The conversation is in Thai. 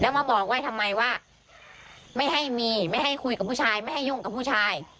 มาบอกไว้ทำไมว่าไม่ให้มีไม่ให้คุยกับผู้ชายไม่ให้ยุ่งกับผู้ชาย